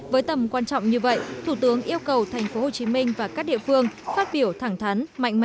với tầm quan trọng như vậy thủ tướng yêu cầu tp hcm và các địa phương phát biểu thẳng thắn mạnh mẽ trách nhiệm